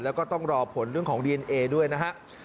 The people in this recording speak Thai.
แล้วก็ต้องรอผลเรื่องของดีเอนเอด้วยนะฮะ